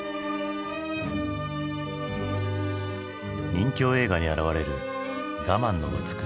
任侠映画に表れる我慢の美しさ。